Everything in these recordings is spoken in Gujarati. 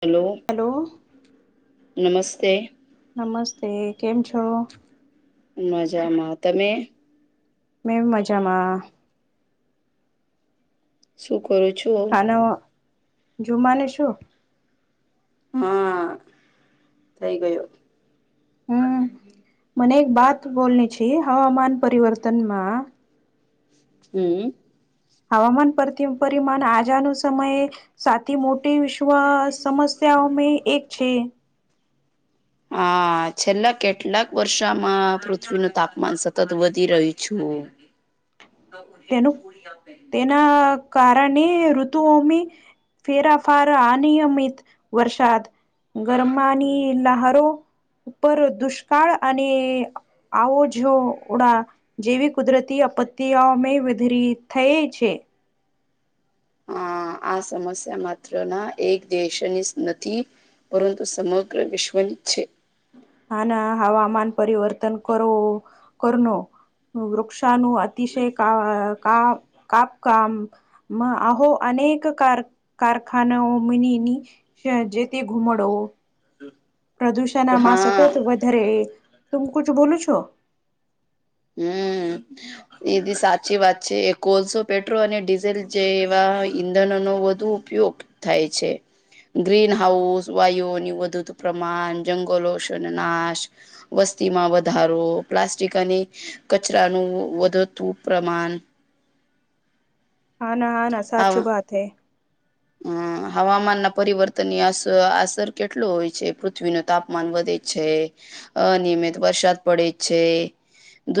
હલો હલો નમસ્તે નમસ્તે કેમ છો? મજામાં તમે? મેં મજામાં. શું કરું છો? ન જુમાને શું? હા થઈ ગયો. હમ મને એક બાત બોલની છે હવામાન પરિવર્તનમાં હમ હવામાન પરથી પરિમાન આજુના સમયે સાથી મોટી ત્વ સમસ્યાઓ મે એક છે. હા છેલ્લા કેટલાક વર્ષામાં પૃથ્વીનું તાપમાન સતત વધી રહ્યું છું. તેનું તેના કારને ઋતુઓમે ફેરાફાર, આનિયમિત વરસાદ ગરમાની લાહારો ઉપર દુષ્કાળ અને આવો જો ઉડા જેવી કુદરતી આપત્યાઓ મે વધીરી થઈ છે. હહ આ સમસ્યા માત્ર ના એક દેશની નથી. પરંતુ સમગ્ર વિશ્વની છે. હાના હવામાન પરિવર્તન કરવો કરનો વૃક્ષાનું અતિશય કા કા કાપકામ માં આહો અનેક કાર કારખાનાઓ મીની ની સે જેથી ઘુમડો પ્રદૂષનમાં હા સતત વધારે. તુંમ કુછ બોલું છો? હમ એ બી સાચી વાત છે એ કોલસો પેટ્રોલ અને ડીઝલ જે એવા ઈંધન ન દુ ઉપયોગ થાય છે. ગ્રીન હાઉસ વાયુઓની વધુ પ્રમાણ જંગલો નાશ વસ્તીમાં વધારો પ્લાસ્ટિક અને કચરાનું વધતું પ્રમાણ હા ના હા ના સાચુ બાત હૈ. હમ હવામાન ના પરિવર્તનની અસ અસર કેટલો હોય છે પૃથ્વી ન તાપમાન વધે છે અનિયમિત વરસાદ પડે છે.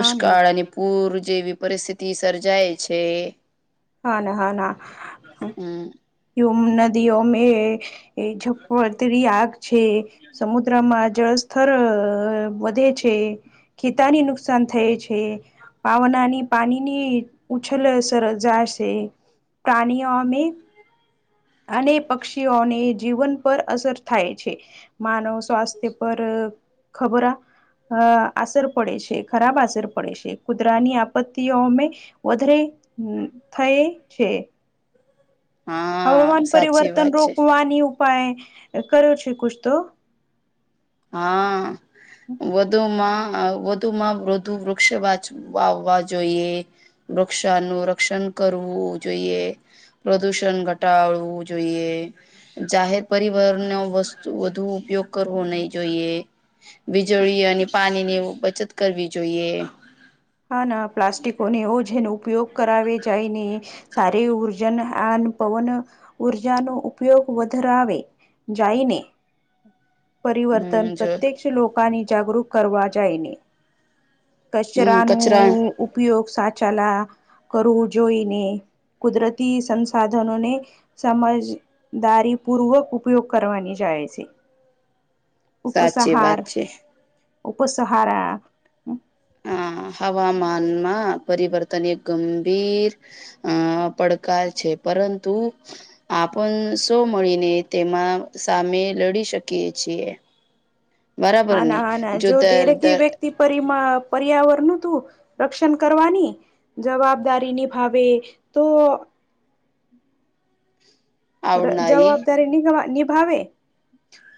હા ના અને પૂર જેવી પરિસ્થિતિ સર્જાય છે. હા ના હા ના. હમ. નદીઓ મે જપતરી આગ છે સમુદ કમાં જળસ્તર વધે છે ખેતાની નુકસાન થાય છે. પાવનાની પાણીની ઉછલસ રજાશે. પ્રાણીઓમે અને પક્ષીઓને જીવન પર અસર થાય છે. માનવ સ્વાસ્થ્ય પર ખબર અ આસર પડે છે ખરાબ આસર પડે છે કુદરાની આપત્તિઓમે વધરે થય છે. હા હવામાન સાચી પરિવર્તન વાત છે રોકવાની ઉપાય કર્યો છે કુશ તો હા. વધુમાં વધુમાં વધુ વૃક્ષ વાચ વાવવા જોઈએ વૃક્ષાનું રક્ષણ કરવું જોઈએ પ્રદુષણ ઘટાડવું જોઈએ જાહેર પરિવહ ન વસ્તુ વધુ ઉપયોગ કરવો નહી જોઈએ વીજળી અને પાણી ની બચત કરવી જોઈએ હા ના પ્લાસ્ટિકોને એવો જેનો ઉપયોગ કરાવે જાયને સારી ઉર્જા આ પવન ઉર્જાનો ઉપયોગ વધરાવે જાયને પરિવર્તન હમ જો પ્રત્યક્ષ લોકા ની જાગૃત કરવા જાયને હમ કચરા નો કચરા ઉપયોગ સાચાલા કરું જોઈને. કુદરતી સંસાધનોને સમજદારી પૂર્વક ઉપયોગ કરવાની જાય છે. સાચી ઉપસાહાર વાત છે ઉપસાહાર હ હવામાનમાં પરિવર્તન એક ગંભીર અ પડકાર છે પરંતુ આપણ સો મળીને તેમાં સામે લડી શકીએ છીએ. બરાબર નહી જો દર દર પર પર્યાવરણ ન તું રક્ષણ કરવાની. જવાબદારી નિભાવે તો આવનારી જવાબદારી નિગવ નિભાવ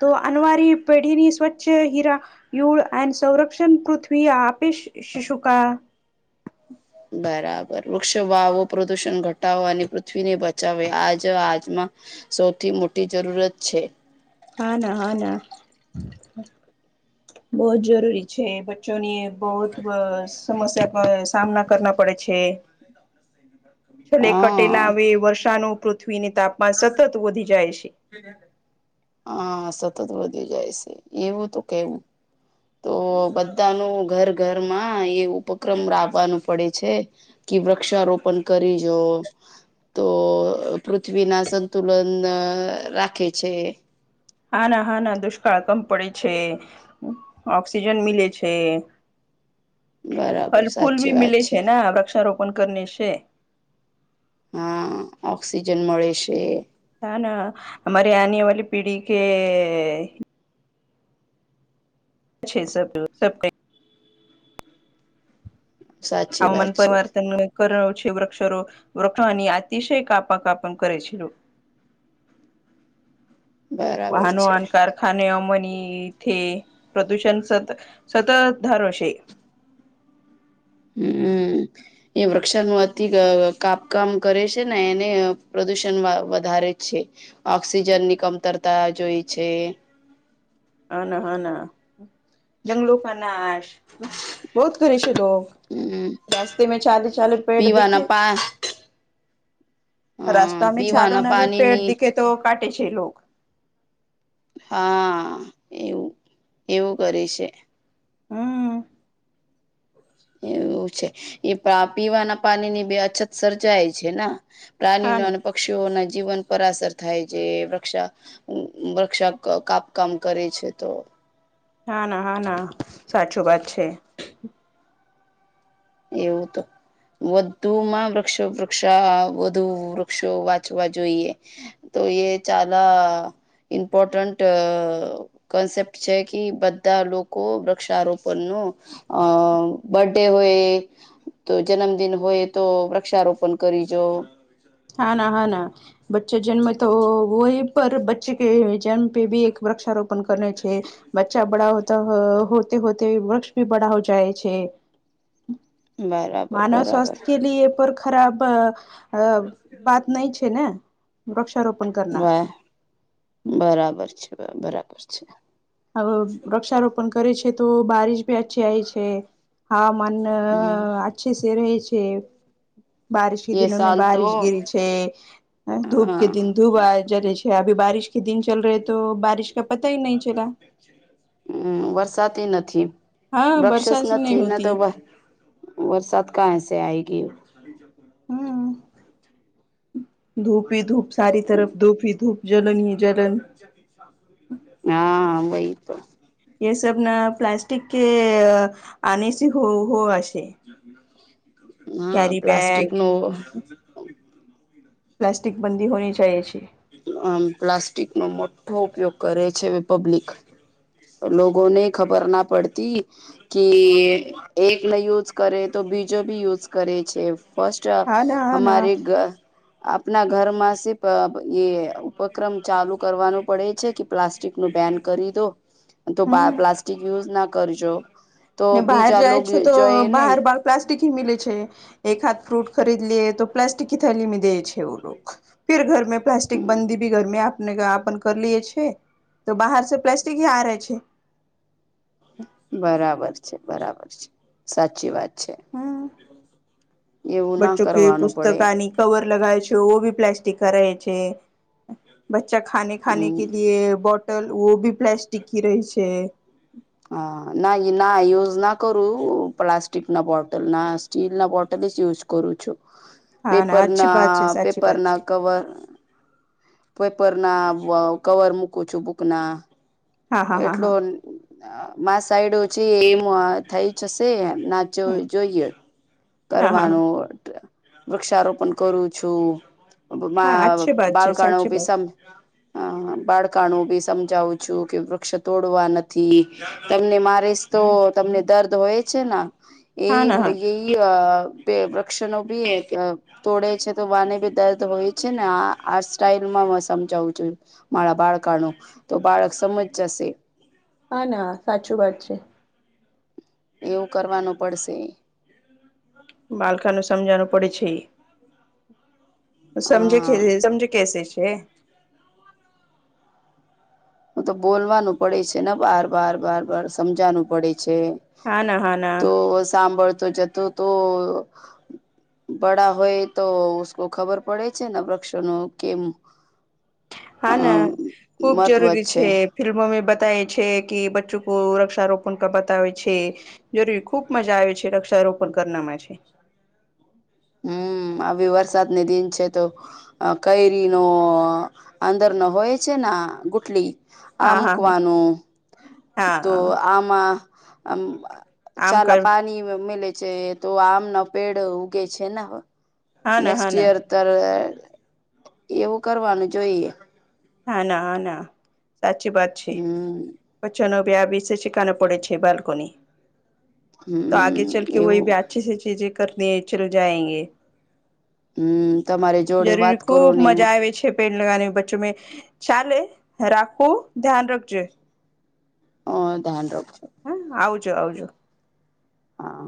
તો અનવારી પેઢીની સ્વચ્છ હીરા યુ એ સંરક્ષણ પૃથ્વી આપી શુંકા બરાબર વૃક્ષ વાવો પ્રદુષણ ઘટાવે અને પૃથ્વીને બચાવે આજ આજમાં સૌથી મોટી જરૂરત છે. હા ના હા ના બહુ જ જરૂરી છે જોની બહુ સમસ્યા ક સામના કરના પડે છે છેલ્લે કટેલા હા આવે વર્ષાનું પૃથ્વીની તાપમાન સતત વધી જાય છે હા સતત વધી જાય છે એવું તો કેવું તો બધા ન ઘર ઘરમાં એ ઉપક્રમ લાવવાનું પડે છે કે વૃક્ષારોપણ કરી જો તો પૃથ્વી ના સંતુલન રાખે છે હા ના હા ના દુષ્કાળ કમ પડે છે ઓક્સિજન મીમલે છે બરાબર ફલ ફૂલ સાચી ભી વાત મિલે છે ના વૃક્ષારોપણ કરને છે હા ઓક્સિજન મળે છે હા ના હમારે આને વાલી પીઢી કે અચ્છે સબ સબ ક સાચી હવામાન વાત છે પરિિવર્તન કરણ છે વૃક્ષારો વૃક્ષોની અતિશય કાપ કાપણ કરે છે બરાબર વાહનો છે વાહન કાર ખાનેઓ મની પ્રદૂષણ સત સતત ધારોશે હમ એ વૃક્ષનું અતિ કાપકામ કરે છે ને એને પ્રદુષણ વધારે છે ઓક્સિજન ની કમતરતા જોઈ છે હા ના હા ના જંગલો કા નાશ બહુત ઘરે છે લોકો હમ રાસ્તે મે ચારે ચારે પેડ દેખે પીવાના પા હ રસ્તો અમે ચાલો પીવાના ન પેટ પાણીની દીખે તો કાટે છે લોક હા એવું એવું કરી છે હમ એવું છે એ પીવાના પાણી ની બે અછત સર્જાય છે ને હા પ્રાણીઓ ના અને પક્ષીઓના જીવન પર અસર થાય છે વૃક્ષા વૃક્ષોક કાપકામ કરે છે તો હા ના હા ના સાચું વાત છે એવું તો વધુ માં વૃક્ષો વૃક્ષ વધુ વૃક્ષો વાંચવા જોઈએ તો એ ચાલા ઇમ્પોર્ટન્ટ કોન્સેપ્ટ છે કે બધા લોકો વૃક્ષારોપણ ન અ બર્ડે હોય તો જન્મદિન હોય તો વૃક્ષારોપણ કરીજો હા ના હા ના બચ્ચે જન્મે તો વહી પર બચ્ચે કે જન્મ પે ભી એક વૃક્ષારોપણ કરે છે બચ્ચા બડા હોતા હોતે હોતે વૃક્ષ ભી બડા હો જાય છે બરાબર માનવ બરાબર સ્વાસ્થ્ય કે લ એ પર ખરાબ અ બાત નહી છે ને વૃક્ષારોપણ કરના વાહ બરાબર છે બરાબર છે વૃક્ષારોપણ કરે છે તો બારિશ ભી અચ્છી આવીય છે હવામાન અ હમ અચ્છે સ રહેે છે બારિશ કે એ દિનો સાલ તો બારીશ ગીરી છે હ ધૂપ અ કે દિન ધૂપ જલે છે અભી બારિશ કે દિચલ રહે તો બારિશ ક પતા હ નહીં ચલા હમ વરસાદી નથી વૃક્ષસ નથી ના તો વરસાત કહાસે આયગી ખાલી જક હમ ધૂપ ધૂપ સારી તરફ ધૂપી ધૂપ જલની જલની હા વહી તો એ સબ ના પ્લાસ્ટસ્ટિક કે આને સ હો હો આશે હ બેગ પ્લાસ્ટિક નું પ્લાસ્ટિક બંદી હોની ચાહીએ છે આ પ્લાસ્ટિક નો મોટો ઉપયોગ કરે છે પબ્લિક લોગો ને ખબર ના પડતી કે એક નહી યુઝ કરે તો બીજો બી યુઝ કરે છે એમ. ફસ્ટ હ હા ના હા ના અમારે ઘ આપના ઘરમાં સિફ એ ઉપક્રમ ચાલુ કરવાનું પડે છે કે પ્લાસ્ટિક નું બેન કરી દો તો પ્લા હમ પ્લાસ્ટિક યુઝ ના કરજો. તો ને બહાર બીજા જાય લોગ છો તો જોઈ ને બહાર બાર પ્લાસ્ટિક હી મિલે છે એક હાથ ફ્રૂટ ખરીદ લએ તો. પ્લાસ્ટિક થી થાલી મી દે છે ઓ લોક ફીર ઘરમે પ્લાસ્ટિક બંદી ભી ઘરમે આપને આપન કર લએ છે. તો બહાર સ પ્લાસ્ટિક હ આ ર છે બરાબર છે બરાબર છે સાચી વાત છે. હમ એવું ના બચ્ચો કે કરવાનું પડે પુસ્તકાની કવર લગાય છે ઓભી પ્લાસ્ટિક કા રહે છે. બચ્ચા ખાને ખાને કે હમ લિએ બોટલ ઓ ભી પ્લાસ્ટિક કી રહી છે. હા ના ના યુઝ ના કરું પ્લાસ્ટિક ના બોટલ ના સ્ટીલ ના બોટલસ યુઝ કરું છું. હમ [unintelligible] પેપર ના પેપર ના કવર પેપર ના બ કવર મૂકું છું બુક ના હા હા હા એટલો હા મા સાઈડ ઓછી એમ થઈ જશે ના જો હમ જોઈએ હા હા કરવાનું. વૃક્ષારોપણ કરું છું હા બા અચ્છી બાત છે બાળકાણો સાચી બી બાત હ બાળકાનું બી સમજાવું છું કે વૃક્ષ તોડવા નથી તમને મારેસ તો તમને દર્દ હોય છેના એ હા ના હા એ અ વૃક્ષણો ભી તોડે છે તો બાને બી દર્દ હોય છે ને આ આ સ્ટાઈલમાં સમજાવું છું. મારા બાળકા નો તો બાળક સમજ જશે. હા ના સાચું વાત છે. એવું કરવાનું પડશે. બાલકા નું સમજાનું પડે છે. સમજે કે હા સમજે કેસે છે. હ તો બોલવાનું પડે છે ને બાર બાર બાર બાર સમજાનું પડે છે. હા ના હા ના તો સાંભળતો જતો તો બડા હોય તો ઉસકો ખબર પડે છે વૃક્ષનો કેમ અ હા ના ખુબ જરૂરી છે. ફિલ્મો મે બતાવે છે કે બચ્ચો કો વૃક્ષારોપણ કા બતાવે છે. જરૂરી ખુબ મજા આવે છે વૃક્ષારોપણ કરનામાં છે. હમ આવી વરસાદને દિન છે તો કેઈરી નો અંદર ન હોય છેને આ ગુટલી. આ હા હા મૂકવાનું હા તો હા આમાં અમ આમ કર ચાલા પાણી મલે છે તો આમનો પેડ ઉગે છે ને. હા ના હા ના નેક્સ્ટયર તરે એવું કરવાનું જોઈએ. હા ના હા ના સાચી વાત છે. હમ. બચ્ચનો બે બેશે શેકાને પડે છે બાલ્કોની તો આગે હમ ચલ કે એવું ઓઈ અચ્છી સી ચીજે કરતી ચલ જાયંગે. હમ તમારે જોડે વાત જરૂરી ખુબ કરું ને એમ મજા અ આવે છે. પેડ લગની બચ્ચો મે ચાલે રાખું ધ્યાન રાખજે હ ધ્યાન રખજો. હા આવજો આવજો. હા.